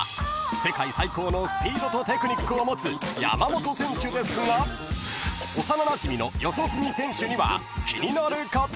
［世界最高のスピードとテクニックを持つ山本選手ですが幼なじみの四十住選手には］